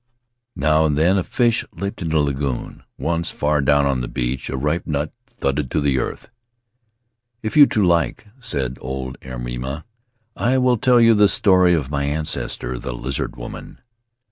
Now and then a fish leaped in the lagoon; once, far down the beach, a ripe nut thudded to the earth. "If you two like," said old Airima, "I will tell you the story of my ancestor, the Lizard Woman."